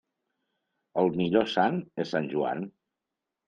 El millor sant és Sant Joan.